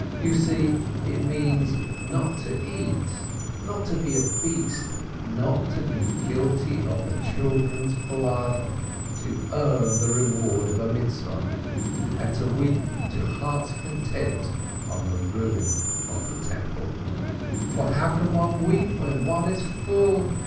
You see, it means not to eat, not to be a beast, not to be guilty of the children's blood, to earn the reward of a Mitzveh, and to weep to heart's content on the ruins of the Temple. For how can one weep when one is full?